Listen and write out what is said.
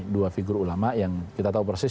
dua figur ulama yang kita tahu persis